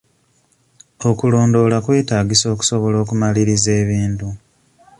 Okulondoola kwetaagisa okusobola okumaliriza ebintu.